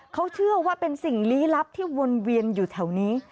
เขาเชื่อว่าเป็นสิ่งลี้ลับที่วนเวียนอยู่แถวนี้